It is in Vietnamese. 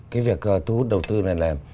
cái việc thu hút đầu tư này là